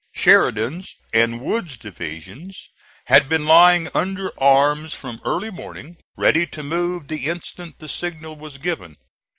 Sheridan's and Wood's divisions had been lying under arms from early morning, ready to move the instant the signal was given.